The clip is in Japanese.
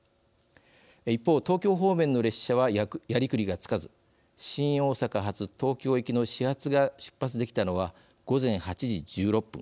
一方、東京方面の列車はやりくりがつかず新大阪発、東京行きの始発が出発できたのは午前８時１６分。